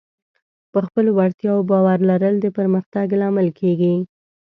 په خپلو وړتیاوو باور لرل د پرمختګ لامل کېږي.